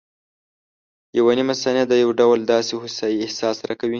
یوه نیمه ثانیه د یو ډول داسې هوسایي احساس راکوي.